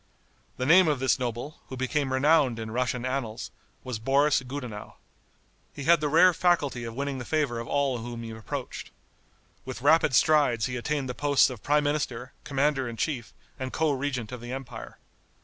The name of this noble, who became renowned in Russian annals, was Boris Gudenow. He had the rare faculty of winning the favor of all whom he approached. With rapid strides he attained the posts of prime minister, commander in chief and co regent of the empire.